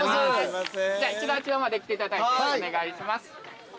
じゃあ一度あちらまで来ていただいてお願いします。